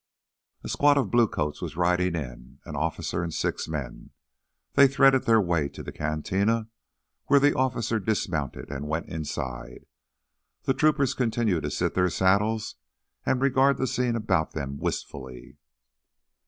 A squad of blue coats was riding in—an officer and six men. They threaded their way to the cantina where the officer dismounted and went inside. The troopers continued to sit their saddles and regard the scene about them wistfully.